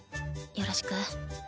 よろしく。